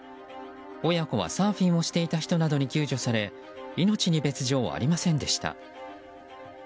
親子はサーフィンをしていた人などに救助され命に別条ありませんでした。